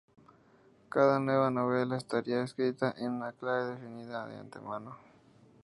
Cada nueva novela estaría escrita en una clave definida de antemano.